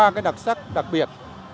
có ba đặc sắc đặc biệt